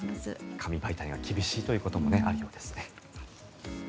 紙媒体が厳しいということもあるようですね。